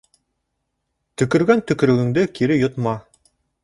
Төкөргән төкөрөгөңдө кире йотма.